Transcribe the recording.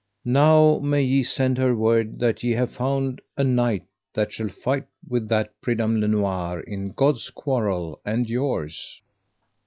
Now may ye send her word that ye have found a knight that shall fight with that Pridam le Noire in God's quarrel and yours.